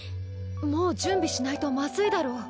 もう準備しないとまずいだろ？